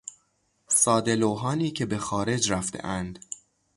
ساده لوحانی که به خارج رفتهاند